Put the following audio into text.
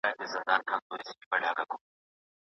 مرګی داسي پهلوان دی اتل نه پرېږدي پر مځکه